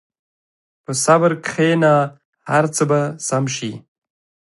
په صبر کښېنه، هر څه به سم شي.